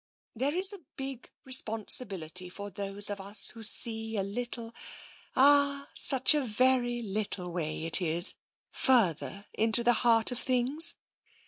There is a big responsibility for those of us who see a little — ah, such a very little way it is — further into the heart of things.